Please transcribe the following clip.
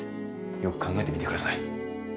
よく考えてみてください。